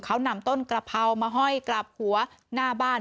เขานำต้นกระเพรามาห้อยกลับหัวหน้าบ้าน